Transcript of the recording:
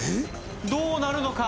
どうなるのか？